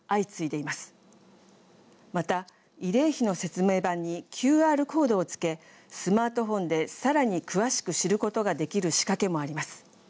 また慰霊碑の説明板にＱＲコードを付けスマートフォンでさらに詳しく知ることができる仕掛けもあります。